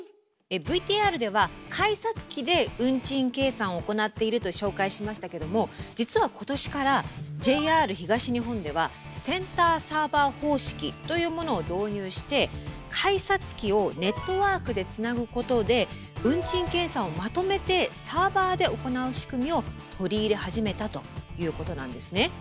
ＶＴＲでは「改札機で運賃計算を行っている」と紹介しましたけども実は今年からＪＲ東日本では「センターサーバー方式」というものを導入して改札機をネットワークでつなぐことで運賃計算をまとめてサーバーで行う仕組みを取り入れ始めたということなんですね。